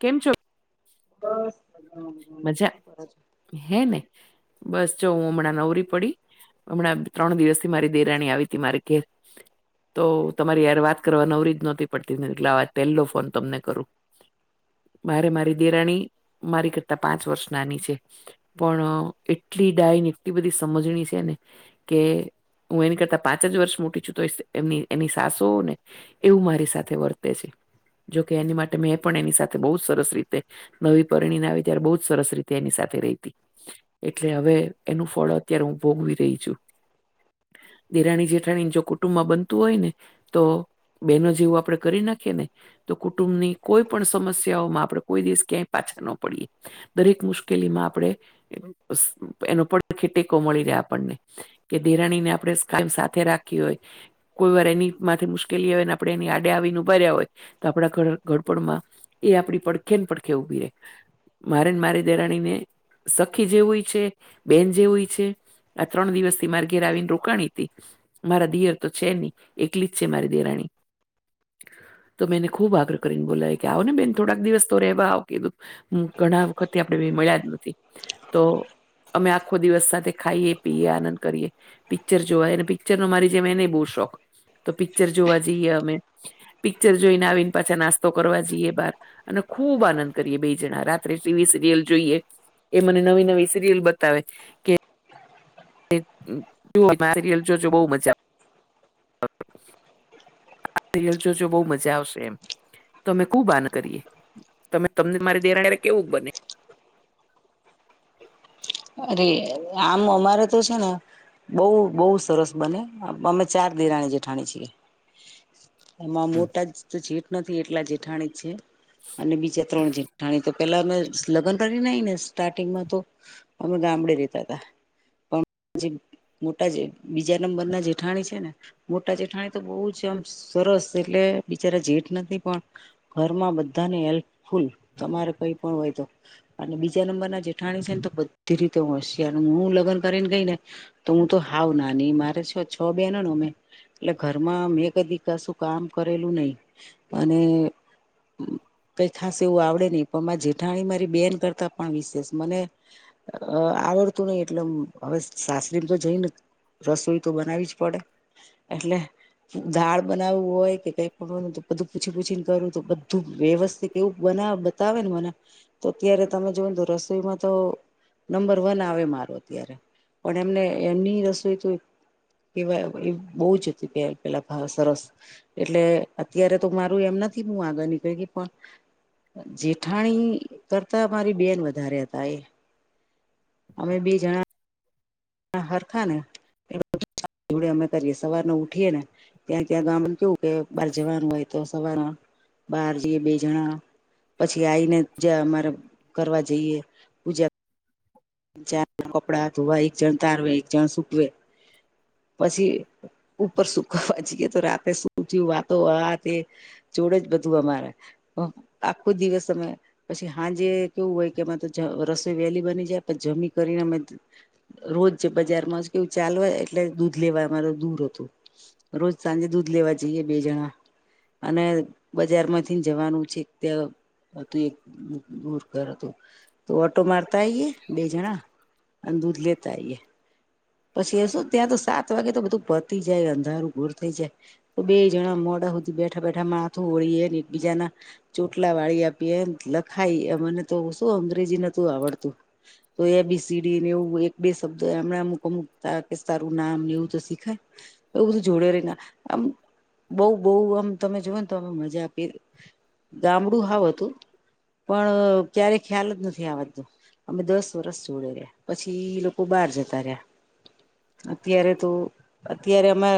કેમ છો? બસ મઝામાં મજા છે. હે ને બસ જો હું હમણાં નવરી પડી. હમણાં ત્રણ દિવસથી મારી દેરાણી આવી તી મારે ઘેર તો તમારી યાર વાત કરવા નવરી જ નહોતી પડતી એટલે આત પહેલો ફોન તમને કરું. મારે મારી દેરાણી મારી કરતા પાંચ વર્ષ નાની છે. પણ એટલી ડાયી એટલી બધી સમજણી છે ને. કે હું એની કરતા પાંચ જ વર્ષ મોટી છું તો એમની એની સાસુ ને. એવું મારી સાથે વર્તે છે. જોકે એની માટે મેં પણ એની સાથે બહુ જ સરસ રીતે નવી પરણી આવી. ત્યારે બહુ જ સરસ રીતે એની સાથે રહીતી. એટલે હવે એનું ફળ અત્યારે હું ભોગવી રહી છું. દિરાણી જેઠાણી જો કુટુંબ મા બનતું હોય ને. તો બેનો જેવું આપડે કરી નાખીએ ને. તો કુટુંબ ની કોઈ પણ સમસ્યાઓમાં આપડે કોઈ દિવસ ક્યાંય પાછા ન પડીએ. દરેક મુશ્કેલીમાં આપડે એનો પડખે ટેકો મળી રહે આપણને. કે ધિરાણી ને આપડે કાયમ સાથે રાખ્યું હોય. કોઈ વાર એની માથે મુશ્કેલી આવે ને આપડે એની આડે આવીને ઉભા રીયા હોય તો આપડા ધડ ઘડપણમાં એ આપડી પડખે ને પડખે ઊભી રેય મારે ને મારી દેરાણીને સખી જેવુંય છે બેન જેવુંય છે. આ ત્રણ દિવસ થી મારે ઘેર આવીને રોકાણી તી. મારા દિયર તો છેની એકલી છે મારી દેરાણી. તો મેને ખુબ આગ્રહ કરીને બોલાવ્યો કે આવોને બેન થોડાક દિવસ તો રહેવા આવ કીધું. ઘણા વખતથી આપણે બે મળ્યા જ નથી તો અમે આખો દિવસ સાથે ખાઈએ પીએ આનંદ કરીએ. પિક્ચર જોવા અને પિક્ચરનો મારી જેમ એને બહુ શોખ તો પિક્ચર જોવા જઈએ અમે. પિક્ચર જોઈને આવીને પાછા નાસ્તો કરવા જઈએ બાર અને ખુબ આનંદ કરીએ બે જણા રાત [unintelligible] સિરયલ જોઈએ એ મને નવી નવી સિરયલ બતાવે કે [unintelligible] જો જો બો મજા સીરીયલ જો જો બહુ મજા આવશે એમ. તમે કુબાન કરીએ તમે તમને મારી દેરાણી હારે કેવું બને? અરે, આમ અમારે તો છે ને બહુ બહુ સરસ બને અમે ચાર દેરાની જેઠાણી છીએ. એમાં હમ મોટા જ [unintelligible] જેઠ નથી એટલા જેઠાણી છે અને બીજા ત્રણ જેઠ ઠાણી તો પેલા અમે લગ્ન કરી આયીને તો સ્ટાર્ટિંગમાં તો અમે ગામડે રેતા હતા. પણ જે મોટા જે બીજા નંબર ના જેઠાણી છે ને મોટા જેઠાણી તો બહુ જ આમ સરસ એટલે બિચારા જેઠ નથી પણ ઘરમાં બધાને હેલ્પફુલ તમારે કઈ પણ હોય તો અને બીજા નંબરના જેઠાણી છે ને તો બધી રીતે હોશિયાર હું લગ્ન કરીને ગઈને તો હું તો હાવ નાની મારે છ છ બેનો અમે. એટલે ઘરમાં મેં કદી કશું કામ કરેલું નહી અને મ કઈ ખાસ એવું આવડે નહી પણ મા જેઠાણી મારી બેન કરતા પણ વિશેષ મને અ આવડતું નઈ એટલે અમ હવે સાસરીમ તો જઈને રસોઈ તો બનાવી જ પડે એટલે દાળ બનાવું હોય કે કઈ પણ તો બધું પૂછી પૂછીને કરવું તો બધું વ્યવસ્થિત એવુંક બનાવ તાવેને મને તો અત્યારે તમે જોવને તો રસોઈમાં તો નંબર વન આવે મારો અત્યારે પણ એમને એમની રસોઈ તો કેવા એ બહુ જ હતી પેલ પેલા ભાવ સરસ એટલે અત્યારે તો મારું એમ નથી હું આગળ નીકળી ગઈ પણ જેઠાણી કરતા મારી બેન વધારે હતા એ. અમે બી જણા હરખાને [unintelligible] અમે કરીએ સવાર ન ઉઠીએ ને ત્યાં ત્યાં ગામડુ કેવું કે બહાર જવાનું હોય તો સવાર બાર જઈએ બે જણા પછી આઈને જે અમારે કરવા જઈએ. ચાર કપડા ધોવા એક જણ તારવે એક જણ સુકવે પછી. ઉપર સુકવા જીએ તો રાતે સુુંથી વાતો આ તે જોડે જ બધું અમારે. હ, આખો દિવસ અમે પછી હાજે કેવું હોય કે એમાં તો રસોઈ વહેલી બની જાય. જમી કરીને અમે ત રોજ જે બજારમાં કેવું ચાલવા એટલે દૂધ લેવા અમાર દૂર હતું. રોજ સાંજે દૂધ લેવા જઈએ બે જણા. અને બજારમાંથી જવાનું છે તય [unintelligible] એક દૂર ઘર હતું તો ઓટો મારતા આઈએ. બે જણા અન દૂધ લેતા આઈએ. પછી એ શું ત્યાં તો સાત વાગે તો બધું પતી જાય અંધારું ભૂર થઈ જાય. તો બે જણા મોડા સુધી બેઠા બેઠા માથું ઓળીએ ને એકબીજાના ચોટલા વાળી આપીએ લખાય એ મને તો શું અંગ્રેજી નોતું આવડતું. તો એ બી સીડી ને એવું એક બે શબ્દ હમણાં અમુક અમુક ત કે સારું નામ ને એવું તો શીખાય! એવું બધું જોડે રહી ના આમ બહ બહ આમ તમે જોય ને તો અમે મજા આપી. ગામડું હાવ હતું પણ ક્યારે ખ્યાલ જ નથી આવતો. અમે દસ વરષ જોડે રહ્યા, પછી લોકો બહાર જતા રહ્યા. અત્યારે તો અત્યારે અમે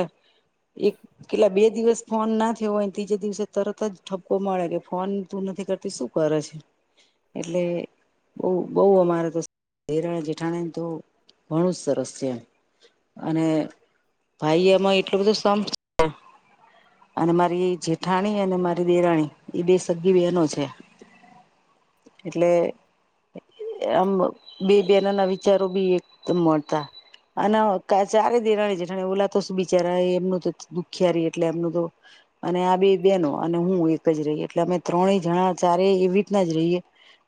એક કેટલા બે દિવસ ફોન ના થયો હોયને ત્રીજે દિવસે તરત જ ઠપકો મળે કે ફોન તું નથી કરતી શું? કરે છે એટલે બહ બઉ અમારે તો હિરાણ જેઠાણે તો ઘણું જ સરસ છે. અને ભાઈ એમાં એટલું બધો સંપ છે. અને મારી જેઠાણી અને મારી દેરાણી એ બે સગી બહેનો છે. એટલે આમ બે બેના ના વિચારો બી એકમ કદમ મળતા. અને ચારે દેરાણી જેઠાણે ઓલાતો બિચારા એમનું તો દુખિયાારી એટલે એમનું તો અને આ બે બેનો અને હું એક જ રહી એટલે અમે ત્રણેય જણા ચારે એવી રીતના જ રહીએ.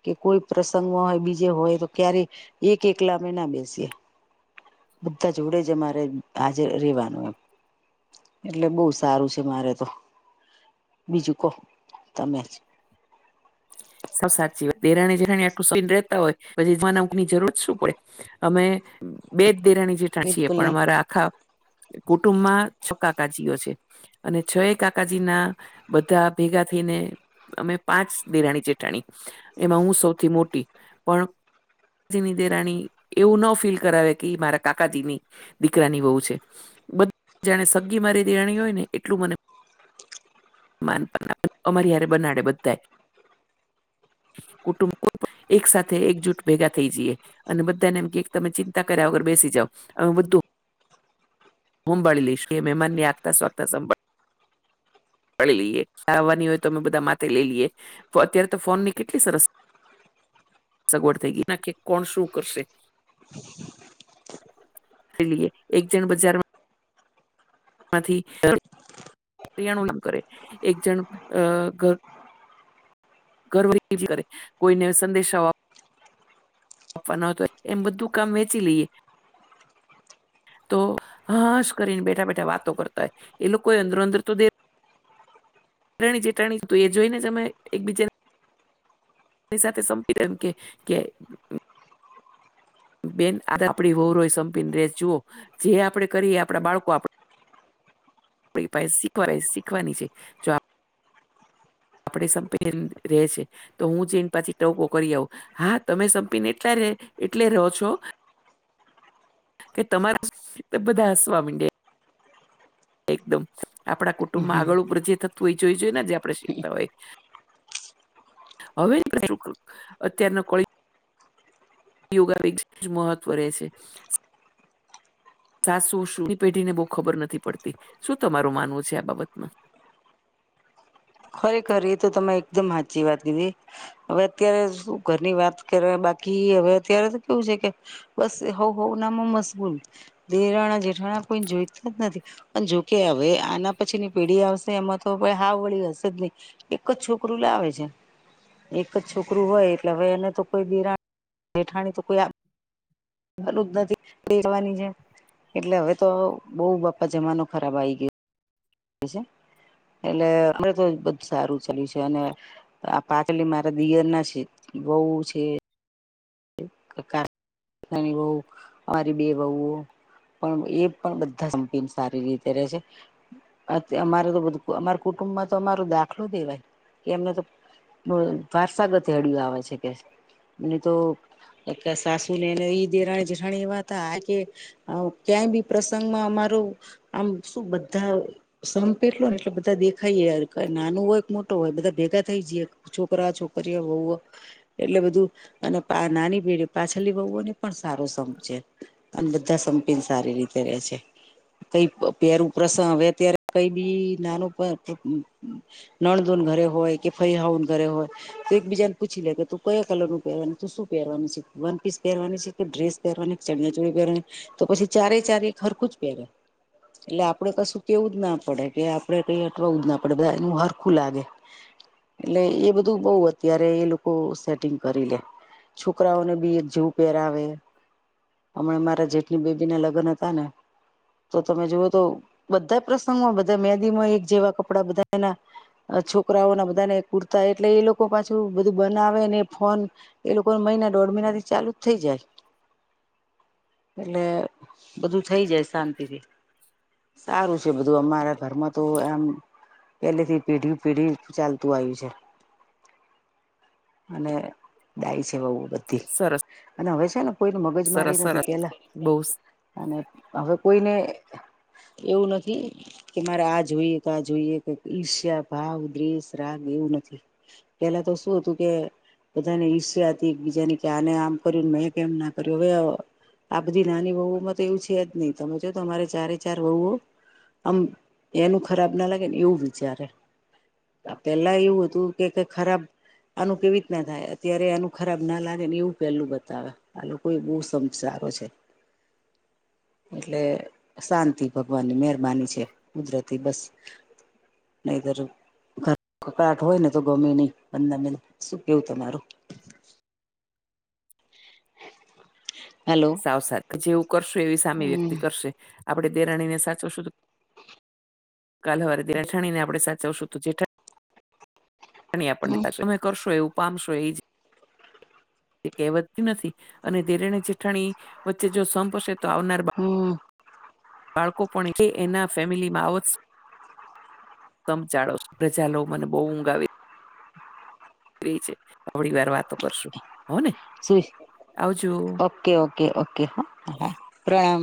કે કોઈ પ્રસંગમાં હોય બીજે હોય તો ક્યારેય એક એકલામે ના બેસીએ. બધા જો જોડે જ મારે હાજર રેવાનું. એટલે બહુ સારું છે મારે તો. બીજું કહ તમે જ. સ સાચી વાત દેરાણી જેરાણી આટલું સન રહેતા હોય પછીનાં ની જરૂર શું પડે? અમે બે જ દેરાની જેઠાની છીએ, બિલકુલ પણ નહી અમારા આખા કુટુંબમાં છ કાકાજીઓ છે. અને છ એ કાકાજીના બધા ભેગા થઈને અમે પાંચ દેરાણી ચેઠાણી, એમાં હું સૌથી મોટી પણ જી ની દેરાણી એવું ન ફીલ કરાવે કે મારા કાકાજી ની દીકરાની બહુ છે. બધ જાણે સગી મારી દેણી હોય ને એટલું મને માનપ અમારી ય્યારે બનાડે બધાય. કુટુંબ કોઈ એક સાથે એકજૂટ ભેગા થઈ જઈએ. અને બધાને એમ કે તમે ચિંતા કર્યા વગર બેસી જાવ અમે બધું. હુંમ બળલીશ કે મેં મને આતા સ્તા સંભળ પડી લઈએ આવવાની હોય તો અમે બધા માથે લઈ લઈએ અત્યારે તો ફોન ની કેટલી સરસ સગવડ થઈ ગઈ. ના કે કોણ શું કરશે? લએ એક જણ બજારમાં માંથીણ કરે એક જણ અ ઘર ઘરવહી કરે. કોઈને સંદેશો આપવાનો હતો એમ બધું કામ વેચી લઈએ. તો હશ કરીને બેઠા બેઠા વાતો કરતા હોય, એ લોકો અંદરો અંદર તો દે દેરાણી જેઠાણી એ જોઈને જ અમે એકબીજા ની સાથે સમ એમ કે કે બેન આ આપડી વવરોય સંપીને રે જુઓ આપડે કરી આપડા બાળકો આપે [unintelligible] શીખવાની છે જો આપ આપડે સંપી ર રહે છે. તો હું જઈને પાછી ટવકો કરી આવં હા તમે સંપીને એટલે એટલે રહો છો કે તમાર બધા હસવા માંડે એકદમ આપણા કુટુંબમાં આગળ ઉપર જે થતું હોય જોઈ જોઈએ ને જે આપણે શીખતા હોય. હવે [inaudible] અત્યારના કળિયુગ કળિયુગ આવી [inaudible] મહત્વ રેહશે. ચાસુ શુંની પેઢી ને બહુ ખબર નથી પડતી શું તમારું માનવું છે આ બાબતમાં. ખરેખર એ તો તમે એકદમ હાચી વાત કીધી. અવે અત્યારે શું ઘરની વાત કરે બાકી હવે અત્યારે તો કેવું છે કે બસ હોવ હોવના માં મશગૂલ દેરાણા જેઠાણા કોઈ જોઈતા જ નથી. પણ જોકે હવે આના પછી ની પેઢી આવશે એમાં તો હાવ વળી હશે. [unintelligible] એક જ છોકરું લાવે છે. એક જ છોકરું હોય એટલે હવે એને તો કોઈ દેરા જેઠાણી તો કોઈ આ [unintelligible] જ નથી, [unintelligible] જવાની છે. એટલે હવે તો બઉ બપ્પા જમાનો ખરાબ આઈ ગિયો. એટલે અમળે તો બધુ સારું ચાલ્યું છે અને આ પાટલી મારા દિયર ના છે બહુ છે. [inaudible] ઘણી બહુ, મારી બે વહુઓ પણ એ પણ બધા સમપી ને સારી રીતે રહે છે. અમારે તો બધું અમારા કુટુંબમાં તો અમારો દાખલો દેવાય કે એમને તો વારસાગત હેળિ લાવે છે કે છે ને તો એકે સાસ નેને ઈ દેરાણી જેઠાણી ની વાત આયખી આ ક્યાંય બી પ્રસંગમાં અમારુ આમ શું બધા સંપેર એટલો ને એટલે બધા દેખાયએ યાર કઈ નાનું હોય કે મોટું હોય બધા ભેગા થઈ જીએ. છોકરા છોકરીઓ વહુઓ એટલે બધું અને નાની પિઢી પાછ નાલ્લી બહુઓને પણ સારું સંમજે અને બધા સંપીને સારી રીતે રે છે. કઈ પેરું પ્રસન હવે અત્યારે કઈ બી નાનું [inaudible] નણધુન ઘરે હોય કે ફઈ હાહુને ઘરે હોય. તો એક બીજાને પૂછી લે કે તું કયા કલરનું પહેરવાનું તું શું પહેરવાની છે. વન પીસ પહેરવાની છે કે ડ્રેસ પહેરવાની ચણિયા ચોળી પહેરવાની તો પછી ચારેય ચારે એક હરખું જ પહેરે. એટલે આપડે કશું કેવું જ ના પડે કે આપડે કઈ અટવાવું જ ના પડે બધા એનું હરખું લાગે. એટલે એ બધું બઉ અત્યારે એ લોકો સેટિંગ કરી લે, છોકરાઓને બી એક જેવું પહેરાવે, હમણાં મારા જેઠની બેબી ના લગ્ન હતા ને તો તમે જુઓ તો બધાય પ્રસંગોમાં બધા મેદી માં એક જેવા કપડા બધાયના. અહ છોકરાઓ ના બધાના કુર્તા એટલે એ લોકો પાછું બધું બનાવે ને એ ફોન એ લોકો મહિના દોઢ મહિના થી ચાલુ જ થઈ જાય. એટલે બધું થઈ જાય શાંતિથી. સારું છે બધું અમારા ઘરમાં તો આમ. પેલેથી પેઢી પેઢી ચાલતું આવ્યું છે. અને ડાઈ છે વહુઓ બધી. સરસ અને હવે છે ને કોઈને મગજ સરસ મારી સરસ નથી પેલા બહુ અને હવે કોઈને એવું નથી. કે મારે આ જોઈએ કે આ જોઈએ કે ઈર્ષ્યા ભાવ દ્વેશ રાગ એવું નથી. પેલા તો શું હતું કે બધાને ઈર્ષ્યા હતી એકબીજાની કે આને આમ કર્યું ને મેં કેમ ના કર્યું હવે અહ આ બધી નાની વહુઓમાં તો એવું છે જ નહી તમે જો તો તમારે ચારે ચાર વહુઓ આમ એનું ખરાબ ન લાગે ને એવું વિચારે. પેલા એવું હતું કે ખરાબ આનું કેવી રીતના થાય અત્યારે એનું ખરાબ ના લાગ એવું પેલું બતાવે આ લોકોએ બહુ સંપ સારો છે. એટલે શાંતિ ભગવાનની મહેરબાની છે કુદરતી બસ નહિતર કર કકડાટ હોય ને ગમેય નહી પંદર મિનિટ શું કેવું તમારું હેલો સાવ સાત કે જેવું કરશું એવી સામી હમ વ્યક્તિ કરશે આપણે દેરાણીને સાચો શું? કાલ હવારે દેઠાણી ને આપણે સાચવશું તો જેઠાણી ની આપણને હમ સાથે તમે કરશો એવું પામશો એ જ. તે કહેવત નથી અને દેરાણી જેઠાણી વચ્ચે જો સંપ હશે તો આવનાર હમ. બાળકો પણ એટલી એના ફેમિલી માં આવશ તમ ચાળો પ્રજા લોકોને બહુ ઊંઘ આવે એ છે થોડી વાર વાતો કરશું હો ને. સુઈ આવજો જા ઓકે, ઓકે, ઓકે હા પ્રણામ